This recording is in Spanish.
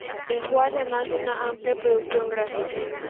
Dejó además una amplia producción gráfica.